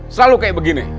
selalu kayak begini